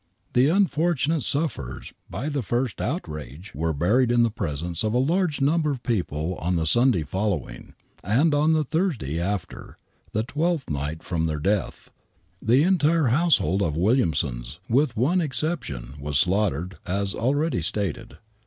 The unfortunate sufferers by the first outrage were buried in the presence of a large number of people on the Sunday following, and on the Thursday after, the twelfth night from their death. i> itSSSfei^M \ f THE WHITECHAPEL MURDERS 43 *\ I) the entire household of Williamson's, with one exception, was slaughtered, as already stated.